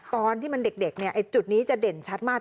ตอนที่มันเด็กจุดนี้จะเด่นชัดมาก